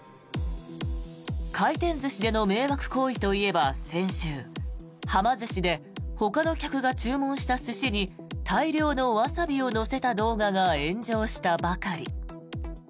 回転寿司での迷惑行為といえば先週はま寿司でほかの客が注文した寿司に大量のワサビを乗せた動画が炎上したばかり。